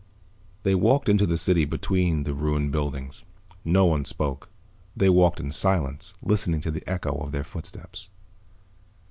They walked into the city between the ruined buildings. No one spoke. They walked in silence, listening to the echo of their footsteps.